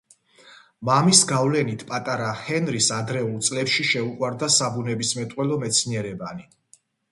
მამის გავლენით პატარა ჰენრის ადრეულ წლებში შეუყვარდა საბუნებისმეტყველო მეცნიერებანი.